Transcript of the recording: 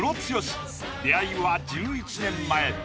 出会いは１１年前。